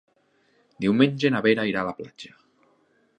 Diumenge na Vera irà a la platja.